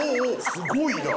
すごいな。